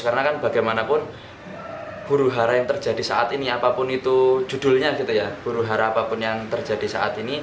karena kan bagaimanapun buruhara yang terjadi saat ini apapun itu judulnya gitu ya buruhara apapun yang terjadi saat ini